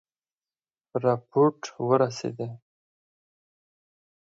رپوټ ورسېدی.